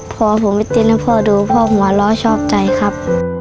พ่อผมไปติ้นให้พ่อดูพ่อผมหวานล้อชอบใจครับ